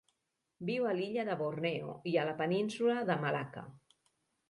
Viu a l'illa de Borneo i a la península de Malacca.